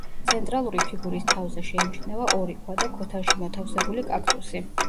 ცენტრალური ფიგურის თავზე შეიმჩნევა ორი ქვა და ქოთანში მოთავსებული კაქტუსი.